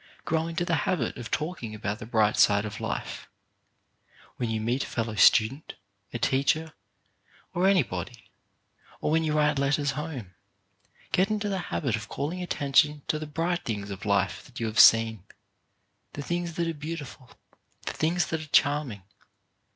Grow into the habit of talking about the bright side of life. When you meet a fellow student, a teacher, or anybody, or when you write letters home, get into the habit of call ing attention to the bright things of life that you have seen, the things that are beautiful, the things that are charming.